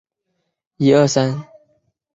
完全不给力